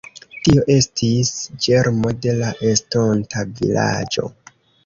Tio estis ĝermo de la estonta vilaĝo.